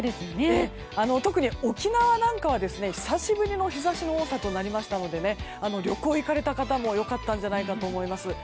特に沖縄は久しぶりの日差しの多さとなりましたので旅行に行かれた方良かったんじゃないかと思います。